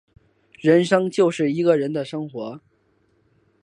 人生就是一个人的生活